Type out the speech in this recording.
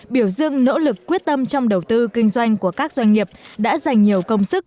biểu dương nỗ lực quyết tâm trong đầu tư kinh doanh của các doanh nghiệp đã dành nhiều công sức